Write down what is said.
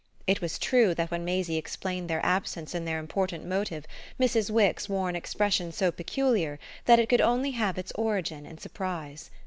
It was true that when Maisie explained their absence and their important motive Mrs. Wix wore an expression so peculiar that it could only have had its origin in surprise.